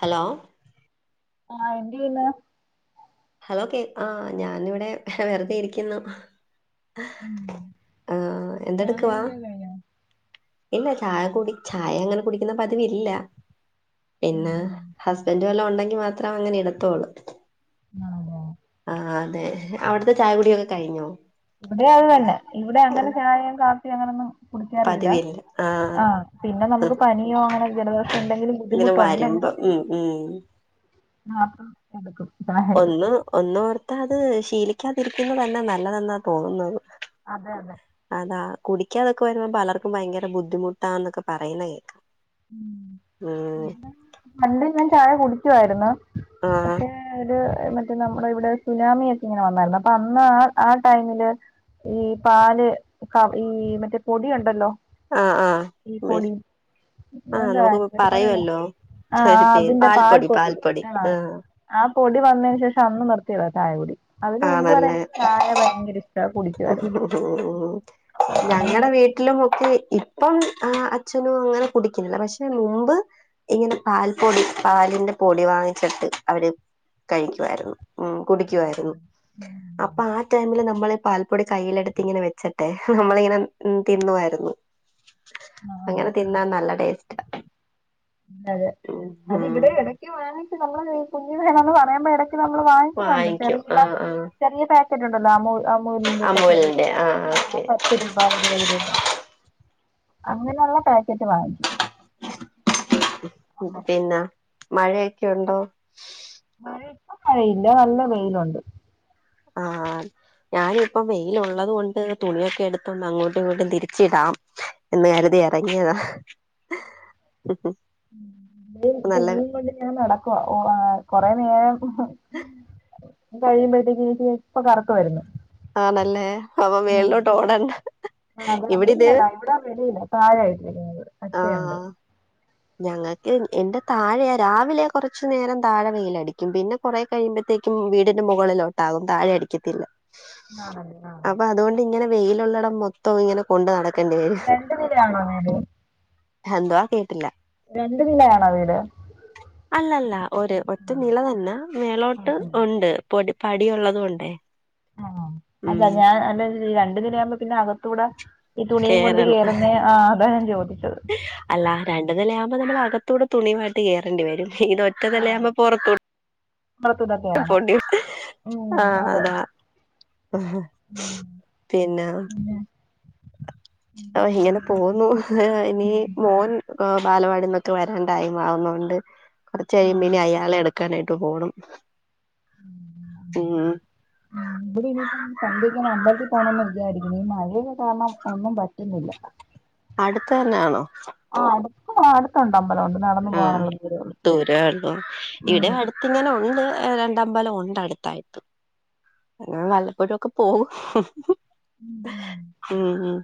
Hello ആഹ് എന്തെയ്യുന്നു? Hello കേ ആഹ് ഞാനിവടെ വെർതെ ഇരിക്കുന്നു. ഉം ആഹ് ചായ എന്തെട്ക്കു വാ? കുടിയൊക്കെ കഴിഞ്ഞോ ഇല്ല ചായ കുടി ചായ അങ്ങനെ കുടിക്ക്ന്ന പതിവില്ല. ഉം പിന്നെ ഹസ്ബൻഡ് വല്ലോം ഉണ്ടെങ്കി മാത്രേ അങ്ങനെ ഇട്ത്തോള്ളു ആഹ് ആഹ് അതെ അവടെത്തെ ചായ കുടിയൊക്കെ കഴിഞ്ഞോ? ഇവടെയത് തന്നെ ഇവടെ ആ, അങ്ങനെ ചായെം കാപ്പി അങ്ങനൊന്നും കുടിക്കാറില്ല പതിവില്ല ആ ആഹ് പിന്നെ ഉം, നമ്മക്ക് പനിയോ അങ്ങനെ ജലദോഷോ എന്തെങ്കിലും ഇങ്ങനെ വരുമ്പോ ബുദ്ധിമുട്ടുണ്ടെങ്കി ഉം ഉം മാത്രം നടക്കും [unintelligible] ഒന്ന് ഒന്നോർത്ത അത് ശീലിക്കാതിരിക്കുന്നതെന്നെ നല്ലതെന്നാ തോന്നുന്നത്. അതെ അതെ അതാ കുടിക്കാതൊക്കെ വെരുമ്പോ പലർക്കും ഭയങ്കര ബുദ്ധിമുട്ടാന്നൊക്കെ പറയ്ണെ കേക്കാം ആഹ് പണ്ടേ ഞാൻ ചായ കുടിക്കുവായിര്ന്നു പക്ഷേ ഒര് മറ്റേ നമ്മളെ ഇവടെ സുനാമിയൊക്കെ ങ്ങനെ വന്നായിര്ന്നു അപ്പൊ അന്ന് ആ ആ ടൈമില് ഈ പാല് ക ഈ മറ്റേ പൊടി യുണ്ടല്ലോ ആ ആ ഈ ആ പൊടി ആഹ് എന്താ നമുക്ക് [unintelligible] പറയുവല്ലോ ആഹ് ഒരു ആഹ് പേര് അതിന്റെ പാൽ പാൽപ്പൊടി പൊടി പാൽപ്പൊടി ആണാ ആഹ് ആ പൊടി വന്നയ്ന് ശേഷം അന്ന് നിർത്തിയതാ ചായ കുടി അതിന് മുമ്പ് വെരെ ആണല്ലേ ചായ ഭയങ്കര ഇഷ് ടാ കുടിക്കായ്‌ര്ന്നു. ഉം ഉം ഞങ്ങടെ വീ ട്ടിലുമൊക്കെ ഇപ്പം ആ അച്ഛനും അങ്ങനെ കുടിക്കാല്ല പക്ഷെ മുമ്പ് ഇങ്ങനെ പാൽ പൊടി പാലിന്റെ പൊടി വാങ്ങിച്ചിട്ട് അവര് കഴിക്കുവായിരുന്നു. ഉം കുടിക്കുവായിരുന്നു അപ്പൊ ആ ടൈമില് നമ്മൾ പാൽപ്പൊടി കയ്യിലെടുത്ത് ങ്ങനെ വെച്ച്ട്ടെ നമ്മളിങ്ങനെ തിന്നുവായിരുന്നു. ആ അങ്ങനെ തിന്നാൻ നല്ല ടേസ്റ്റാ. അതെ അത് ഉം ഇവടെ എടയ്ക്ക് വാങ്ങിച്ച് നമ്മള് കുഞ്ഞിലെ വേണന്ന് പറയുമ്പടെക്ക് നമ്മൾ വാങ്ങിച്ച് കണ്ടിട്ട് വാങ്ങിക്കും ചെറിയില്ലെ ആഹ് ആഹ് ചെറിയ പാക്കറ്റ് ഉണ്ടല്ലോ അമൂ അമൂലിൻ്റെ ഒക്കെ ചെറിയ അമൂലിന്റെ ആഹ് ഓക്കെ പത്ത് രൂപ ഇരുപത് രൂപ അങ്ങനെയൊള്ള പാക്കറ്റ് വാങ്ങിക്കും അമ്മ പിന്നെ മഴയൊക്കെ ഉണ്ടോ മഴ ഇപ്പ മഴയില്ല നല്ല വെയിലുണ്ട് ആഹ് ഞാനും ഇപ്പ വെയിലുള്ളത് കൊണ്ട് തുണിയൊക്കെ എടുത്തൊന്ന് അങ്ങോട്ടും ഇങ്ങോട്ടും തിരിച്ചിടാം എന്ന് കരുതി ഇറങ്ങിയതാ ഉം ഉം ഈ തുണിയും കൊണ്ട് ഞാൻ നടക്കുവാ ഒ ആ കൊറെ നേരം കഴിയുമ്പോഴത്തേക്ക് നോക്കിയെ ഇപ്പ കറത്ത് വര്ന്ന് ആണല്ലേ അപ്പ മേളിലോട്ട് ഓടണ്ട അത് ഇവിടെ ഇത് ഇവിടില്ലടാ ഇവിടെ വെളിയിലാ താഴെ ഇട്ടിരിക്കുന്നത് അശയുണ്ട് ആഹ് ഞങ്ങൾക്ക് എന്റെ താഴെയാ രാവിലെ കൊറച്ചു നേരം താഴെ വെയിലടിക്കും പിന്നെ കൊറെ കഴിയുമ്പഴത്തേക്കും വീടിന്റെ മുകളിലോട്ടാകും താഴെ അടിക്കത്തില്ല ആണല്ലേ ആ അപ്പ അതുകൊണ്ട് ഇങ്ങനെ വെയിലുള്ളടം മൊ ത്തം ഇങ്ങനെ കൊണ്ട് നടക്കേണ്ടി വരും രണ്ട് നിലയാണോ വീട് എന്തുവാ കേട്ടില്ല രണ്ടു നിലയാണോ വീട് അല്ലല്ല ഒരു ഒറ്റ ഉം. നില തന്നെ ഉം, മേളോട്ട് ഉം. ഉണ്ട് പൊടി പടിയുള്ളത് കൊണ്ടേ ആഹ് ഉം അല്ല ഞാൻ അല്ല രണ്ടു നിലയാവുമ്പ പിന്നെ അകത്തൂട ഈ തുണിയും കൊണ്ട് കേറണം കേറുന്നേ ആ അതാ ഞാൻ ചോദിച്ചത് അല്ല രണ്ട് നില ആകുമ്പ നമ്മള് അകത്തൂടെ തുണിയുമായിട്ട് കേറേണ്ടി വരും ഇത് ഒ ആ ഒറ്റനില ആവുമ്പ പുറത്തോട്ട് പുറത്തൂടെ കേറണം പോണ്ടി ഉം ആഹ് അതെ അതാ ഉം. പിന്നാ ഓ ഇങ്ങനെ പിന്നെ പോന്നു ഇനി മോൻ ആഹ് ബാലവാടിന്നൊക്കെ വരാൻ ടൈംമാവുന്നൊണ്ട് കൊറച്ച് ആ. കഴിയുമ്പിനി അയാളെ എടുക്കാനായിട്ട് പോണം ഉം ഉം ഇവിടെ ഇനിയിപ്പം സന്ധ്യക്ക് ഒന്ന് അമ്പലത്തിൽ പോണം എന്ന് വിചാരിക്കുന്നു ഈ മഴയൊക്കേ കാരണം ഒന്നും പറ്റുന്നില്ല അടുത്തന്നാണോ ആഹ് ആടുത്ത് അടുത്തുണ്ട് അമ്പലം ഉണ്ട് ആഹ് ദൂരം ആന്നോ ഇവിടെ ഉം അടു ഇങ്ങനെ ഉണ്ട് രണ്ടമ്പലം ഉണ്ട് അടുത്തായിട്ട് ഞങ്ങൾ വല്ലപ്പോഴൊക്കെ പോവും ഉം ഉം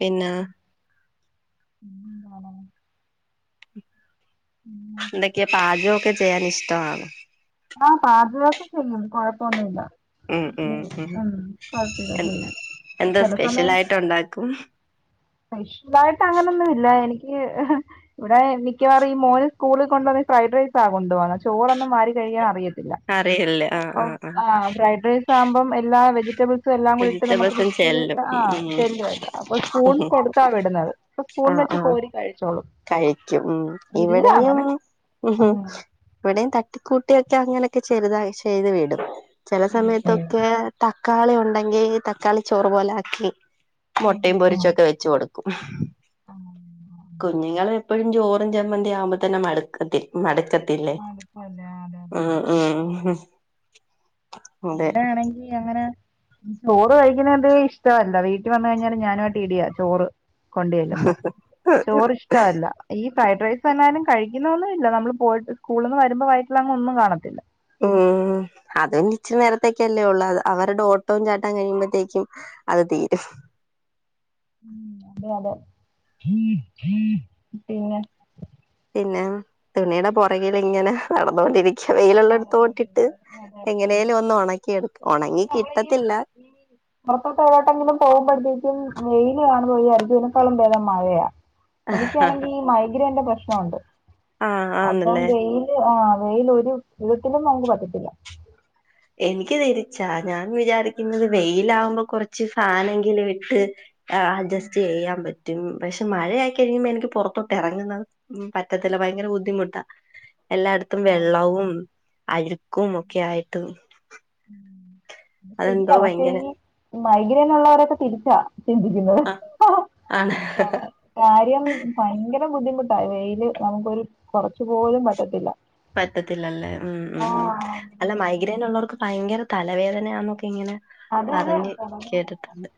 പിന്നാ ഉം ആണോ എന്തൊക്കെയാ പാചകം ഒക്കെ ചെയ്യാൻ ഇഷ്ടമാണോ ആഹ് പാചകം ഒക്കെ ചെയ്യും കൊഴപ്പൊന്നും ഇല്ല ഉം ഉം ഉം കൊഴപ്പില്ല ചെയ്യും ചില സമയം ട്ട് ഉണ്ടാക്കും സ്പെഷ്യലായിട്ട് അങ്ങനൊന്നുമില്ല എനിക്ക് ഇവിടെ മിക്കവാറും ഈ മോന് സ്കൂളിൽ കൊണ്ടു പോന്ന ഫ്രൈഡ് റൈസാ കൊണ്ടു പോന്ന ചോറൊന്നും വാരി കഴിയാൻ അറിയ ത്തില്ല അപ്പം ആഹ് ഫ്രൈഡ് റൈസ് അകുമ്പം എല്ലാ വെജിറ്റബിൾ സും എല്ലാം കൂടി ഇട്ട് നമുക്ക് വെജിറ്റബിൾസും മിക്സ് ചെല്ലും ചെയ്ത്ട്ട് ആഹ് ഉം ചെല്ലുവെല്ലോ അപ്പൊ സ്പൂൺ കൊടുത്താ വിടുന്നത് അപ്പ സ്പൂൺ ആഹ് വെച്ച് ആഹ് കോരി കഴിച്ചോളും കഴിക്കും ഉം ഇല്ല ഇവിടെയും അങ്ങനെ ഉം ഉം ഇവിടെയും തട്ടിക്കൂട്ടിയൊക്കെ അങ്ങനെയൊക്കെ ചെറുതായി ചെയ്ത് വിടും ചില ഉം സമയത്തൊക്കെ തക്കാളി ഉണ്ടെങ്കി തക്കാളി ചോറ് പോലെ ആക്കി മുട്ടയും പൊരിച്ചൊക്കെ വെച്ച് കൊടു ക്കും കുഞ്ഞുങ്ങള് എപ്പോഴും ചോറും ചമ്മന്തിയാവുമ്പോ തന്നെ മടുക്കത്തി മടക്കത്തില്ലേ മടുപ്പല്ലേ അതെ അതെ. ഉം ഉം അതെ ഇവിടൊയാണെങ്കി അങ്ങനെ ചോറ് കഴിക്കുന്നാതെ ഇഷ്ടവല്ല വീട്ടി വന്ന് കഴിഞ്ഞാലും ഞാനുമായിട്ട് ഇടിയാ ചോറ് കൊണ്ട് ചല്ലുമ്പം ചോറ് ഇഷ് ഇഷ്ടമല്ല ഈ ഫ്രൈഡ് റൈസ് വന്നാലും കഴിക്കുന്നൊന്നുമില്ല നമ്മൾ പോയിട്ട് സ്കൂളിൽ നിന്ന് വരുമ്പോൾ വയട്ടിൽ അങ് ഒന്നും കാണത്തില്ല ആ അതും കുറച്ച് നേരത്തേക്കല്ലേ ഉള്ളൂ അത് അവരുടെ ഓട്ടവും ചാട്ടവും കഴിയുമ്പോഴത്തേക്കും അത് തീരും ഉ അതെ അതെെ പിന്നെ തുണിയുടെ പുറകിൽ ഇങ്ങനെ നടന്നുകൊണ്ടിരിക്കും വെയിലുള്ള അതെ അടുത്തോട്ടിട്ട് എങ്ങനേലും ഒന്ന്ും ഉണക്കിെടുക്കും ഉണങ്ങി കിട്ടത്തില്ല ഇ പുറത്തോട്ടെവിടേക്കെങ്കിലും പോകുമ്പോഴത്തേക്കും വെയിൽ കാണു മ്പൊ വിചാരിക്കും ഇതിനെക്കാളും ബേദം മഴയാാ എനിക്കാണെങ്കിൽ ഈ മൈഗ്രൈന്റെ പ്രശ്നമുണ്ട് ആഹ് അപ്പം ആണല്ലേ വെയിൽ ആഹ വെയില ഒരു തരത്തിലും നമുക്ക് പറ്റില്ല എനിക്ക് തിരിച്ചാ ഞാൻ വിചാരിക്കുന്നത് വെയില ആകുമ്പോ കുറച്ച് ഫാനെങ്കിലും ഇട്ട് അഡ്ജസ്റ്റ് ചെയ്യാൻ പറ്റും പക്ഷെ മഴ ആായിക്കഴിയുമ്പോ എനിക്ക് പുറത്തോട്ട് ഇറങ്ങുന്നത് ഉ പറ്റത്തില്ല ഭയങ്കര ബുദ്ധിമുട്ടാ എല്ലായിടത്തും വെള്ളവും അഴുക്കും ഒക്കെ ആയിട്ട് അതെന്തോ ശരിയാവാ പക്ഷെ ഭയങ്കര ഈ മൈഗ്രേൻ ഉള്ളവരൊക്കെ തിരിച്ചാ ചിന്തിക്കുന്നത് ആ ആണ് കാര്യം ഭയങ്കര ബുദ്ധിമുട്ടായി വെയില് നമുക്കൊരു കുറച്ചു പോലും പറ്റത്തില്ല പറ്റത്തില്ലല്ലേ ഉം ഉ ഉ ആഹ് അല്ല മൈഗ്രൈൻ ഉള്ളവർക്ക് ഭയങ്കര തലവേദനയാന്നൊക്കെ ഇങ്ങനെ അത അ പറഞ്ഞ് കേട്ടിട്ടുണ്ട്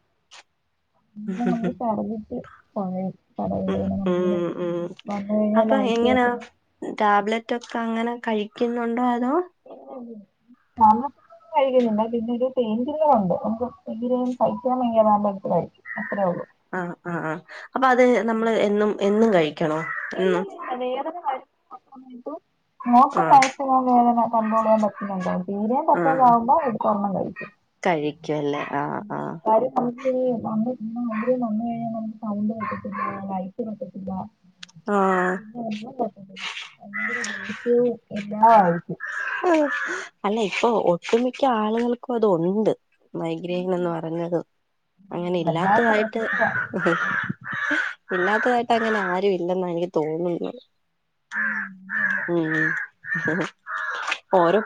നമ്മള് ചടകിട്ട് കടയില്‍ ഉം നിന്ന് ഉം ഉം വന്നു കഴിഞ്ഞാൽ അപ്പൊ ലൈറ്റ് ഓഫ് എങ്ങനാ ചെയ്തു ടാബ്ലറ്റ് ഒക്കെ അങ്ങനെ കഴിക്കുന്നുണ്ടോ അതോ [unintelligible] കൈകണ്ട് പിന്നരു പെയിൻ കില്ലർ ഉണ്ട് നക്ക് ഇ സഹി ക്കാൻ വയ്യാ താവുമ്പം എടുത്ത് കഴിക്കും അത്രേള്ളു ആഹ ആ് ആ് അപ്പൊ അത് നമ്മള് എന്നും എന്നും കഴിക്കും ഇല്ല ഇല്ല ഇല്ല വേദന വരുമ്പം കഴിക്കും നോക്ക് ആഹ് പൈസക വേദന കണ്ട്രോൾ ചെയ്യാൻ പറ്റുന്നുണ്ടോ തീരയാൻ പറ്റാതാവുമ്പോ എടുത്തോരെണ്ണം കഴിക്കും കഴിക്കുംല്ലേ ആഹ് ആഹ കാര്യം നമുക്ക് മൈഗ്രേൻ വന്നു കഴിഞ്ഞാ പിന്നെ സൗണ്ട് പറ്റത്തില്ല ലൈറ്റ് പറ്റത്തില്ല ആഹ ാ പറ്റില്ല ഭയങ്കര ദേഷ്യവും എല്ലാം ആയിരിക്കും ആ അല്ല ഇപ്പൊ ഒട്ടുമിക്ക ആളുകൾക്കും അത് ഉണ്ട് മൈഗ്രഹൻന്ന് പറഞ്ഞതും അങ്ങനെ ഇല്ലാത്തതായിട്ട് വല്ലാത്ത ഇല്ലാത്തതായിട്ട് അങ്ങനെ ആരു ഇല്ലെന്ന എനിക്ക് തോന്നുന്നു ഉ ഓരോ